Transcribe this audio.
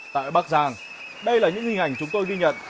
tại bắc giang đây là những hình ảnh chúng tôi ghi nhận